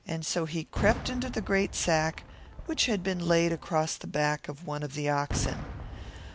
So he crept into a large sack, which had been lying across the back of one of the oxen.